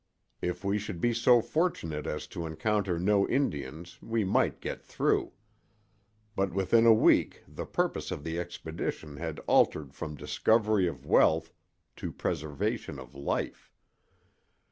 If we should be so fortunate as to encounter no Indians we might get through. But within a week the purpose of the expedition had altered from discovery of wealth to preservation of life.